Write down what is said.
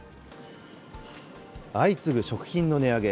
相次ぐ食品の値上げ。